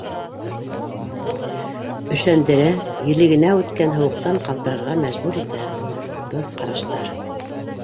Өшәндерә, елегенә үткән һыуыҡтан ҡалтырарға мәжбүр итә был ҡараштар.